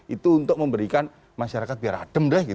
itu untuk memberikan masyarakat biar adem deh